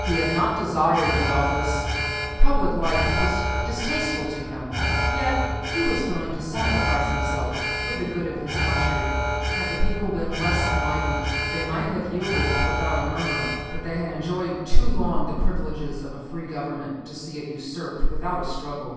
He had not desired the office; public life was distasteful to him, yet he was willing to sacrifice himself for the good of his country. "Had the people been less enlightened, they might have yielded without a murmur; but they had enjoyed too long the privileges of a free Government to see it usurped without a struggle.